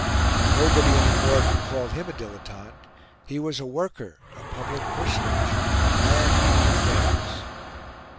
Nobody any more could call him a dilettante; he was a worker, a public personage, a man of affairs.